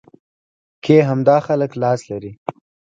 کې همدا خلک لاس لري.